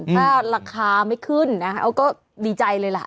ถ้าราคาไม่ขึ้นนะคะเขาก็ดีใจเลยล่ะ